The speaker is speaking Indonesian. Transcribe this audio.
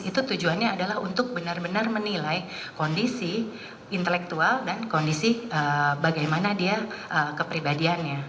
itu tujuannya adalah untuk benar benar menilai kondisi intelektual dan kondisi bagaimana dia kepribadiannya